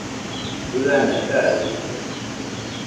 ɨana gaɨdɨkue